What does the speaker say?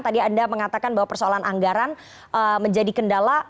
tadi anda mengatakan bahwa persoalan anggaran menjadi kendala